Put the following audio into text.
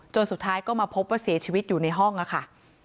สุดท้ายก็มาพบว่าเสียชีวิตอยู่ในห้องค่ะ